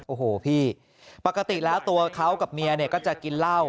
โอ้โหพี่ปกติแล้วตัวเขากับเมียเนี่ยก็จะกินเหล้า